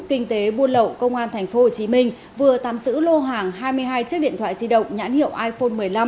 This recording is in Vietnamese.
kinh tế buôn lậu công an tp hcm vừa tạm sử lô hàng hai mươi hai chiếc điện thoại di động nhãn hiệu iphone một mươi năm